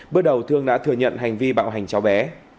bước đầu thương đã thừa nhận hành vi bạo hành cháu bé